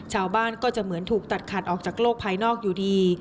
ชาวบ้านก็จะเหมือนถูกตัดขาดออกจากโลกภายนอกอยู่ดี